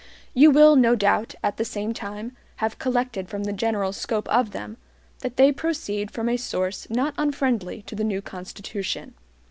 You will, no doubt, at the same time, have collected from the general scope of them, that they proceed from a source not unfriendly to the new Constitution.